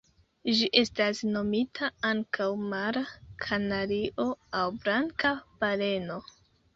Ĝi estas nomita ankaŭ Mara kanario aŭ Blanka baleno.